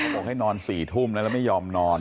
บอกให้นอนสี่ทุ่มแล้วไม่ยอมนอน